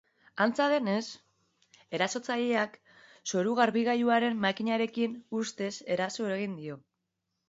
Antza denez, erasotzaileak zoru-garbigailuaren makilarekin ustez eraso egin dio.